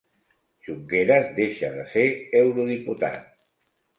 Junqueras deixa de ser eurodiputat